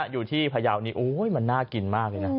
อยู่ที่พยาวนี้มันน่ากินมากเลยนะ